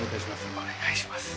お願いします。